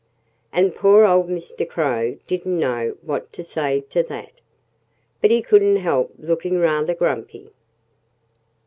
And poor old Mr. Crow didn't know what to say to that. But he couldn't help looking rather grumpy.